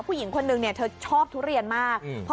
ผู้หญิงคนนึงเนี่ยเธอชอบทุเรียนมาก